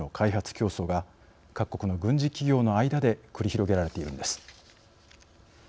競争が各国の軍事企業の間で繰り広げられているのです。